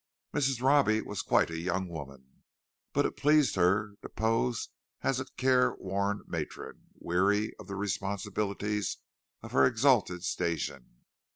Mrs. Robbie was quite a young woman, but it pleased her to pose as a care worn matron, weary of the responsibilities of her exalted station.